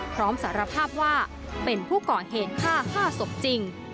พร้อมสารภาพว่าเป็นผู้ก่อเหตุฆ่า๕ศพจริง